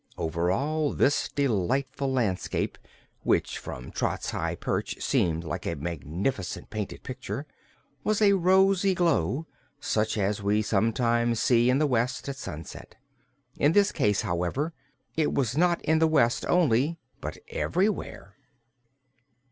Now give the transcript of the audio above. Over all this delightful landscape which from Trot's high perch seemed like a magnificent painted picture was a rosy glow such as we sometimes see in the west at sunset. In this case, however, it was not in the west only, but everywhere.